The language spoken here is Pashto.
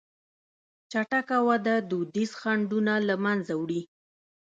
چټکه وده دودیز خنډونه له منځه وړي.